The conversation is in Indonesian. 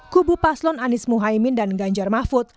kubu paslon anies muhaymin dan ganjar mahfud